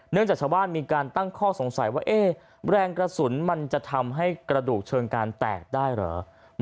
จากชาวบ้านมีการตั้งข้อสงสัยว่าแรงกระสุนมันจะทำให้กระดูกเชิงการแตกได้เหรอ